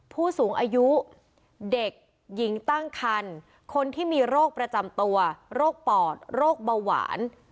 ผู้สูงอายุเด็กหญิงตั้งคันคนที่มีโรคประจำตัวโรคปอดโรคเบาหวาน